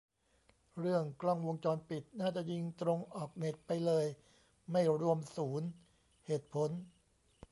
เรื่องกล้องวงจรปิด น่าจะยิงตรงออกเน็ตไปเลย ไม่รวมศูนย์ เหตุผล